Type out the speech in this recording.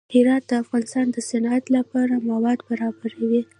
هرات د افغانستان د صنعت لپاره مواد برابروي.